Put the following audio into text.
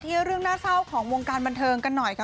เรื่องน่าเศร้าของวงการบันเทิงกันหน่อยค่ะ